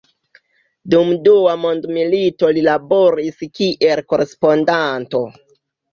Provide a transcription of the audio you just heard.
Dum Dua mondmilito li laboris kiel korespondanto.